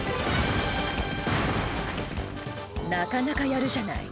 なかなかやるじゃない。